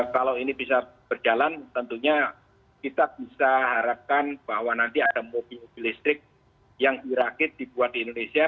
kalau ini bisa berjalan tentunya kita bisa harapkan bahwa nanti ada mobil mobil listrik yang dirakit dibuat di indonesia